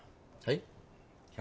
はい？